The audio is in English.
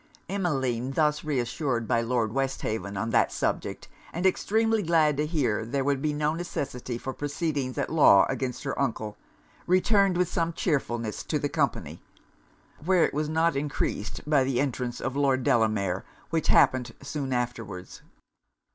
Emmeline, thus reassured by Lord Westhaven on that subject, and extremely glad to hear there would be no necessity for proceedings at law against her uncle, returned with some chearfulness to the company; where it was not encreased by the entrance of Lord Delamere, which happened soon afterwards.